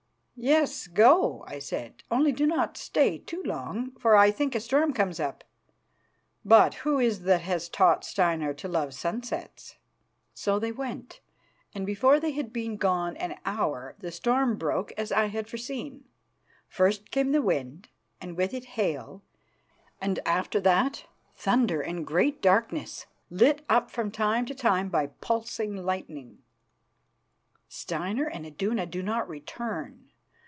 "Yes, go," I said, "only do not stay too long, for I think a storm comes up. But who is that has taught Steinar to love sunsets?" So they went, and before they had been gone an hour the storm broke as I had foreseen. First came wind, and with it hail, and after that thunder and great darkness, lit up from time to time by pulsing lightning. "Steinar and Iduna do not return.